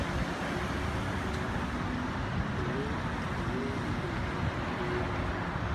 Tɔnu ù win yikon saka sĩire.